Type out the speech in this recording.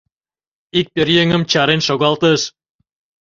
Ик пӧръеҥым чарен шогалтыш.